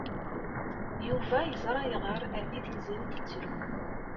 Yuba yeẓra ayɣer armi Tiziri tettru.